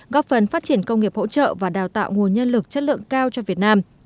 góp phần phát triển công nghiệp hỗ trợ và đào tạo nguồn nhân lực chất lượng cao cho việt nam